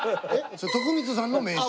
それ徳光さんの名刺。